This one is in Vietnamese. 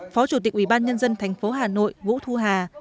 phó chủ tịch ubnd tp hà nội vũ thu hà